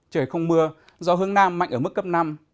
trời không mưa gió hướng nam mạnh ở mức cấp năm